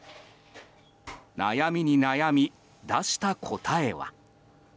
悩みに悩み、出した答えは。